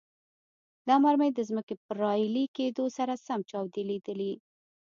دا مرمۍ د ځمکې پر راایلې کېدو سره سم چاودیدلې.